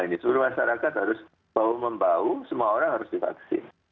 ini seluruh masyarakat harus bahu membahu semua orang harus divaksin